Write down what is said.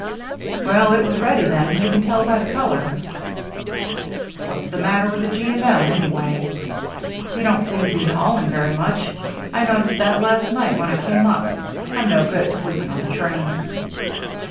"Well, it was ready then. You can tell by the color." "What's the matter with the G. & M. anyway? They don't seem to be hauling very much. I noticed that last night when I came up. I'm no good at sleeping on the train."